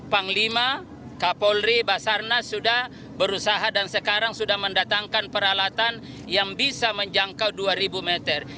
panglima kapolri basarnas sudah berusaha dan sekarang sudah mendatangkan peralatan yang bisa menjangkau dua ribu meter